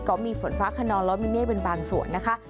ก็มีฝนฟ้าขนองแล้วมีเมฆเป็นบางส่วนนะคะ